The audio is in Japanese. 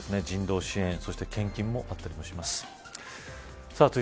人道支援、そして献金もあったりします。